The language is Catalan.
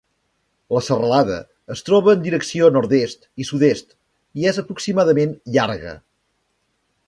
La serralada es troba en direcció nord-est i sud-est, i és aproximadament llarga.